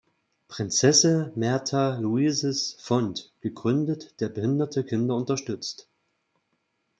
Prinsesse Märtha Louises Fond" gegründet, der behinderte Kinder unterstützt.